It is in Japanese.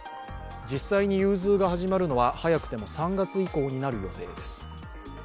実際に融通が始まるのは早くても３月以降になる予定です。